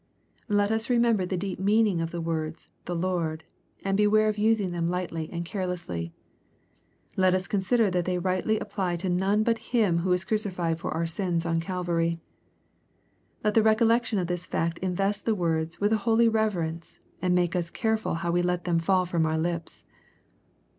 Let us remember the deep meaning of the words, 'Hhe Lord," and beware of using them lightly and carelessly. Let us consider that they rightly apply to none but Him who was crucified for our sins on Calvary. Let the recollection of this fact invest the words with a « holy reverence, and make us careful how we let them fall from our lips.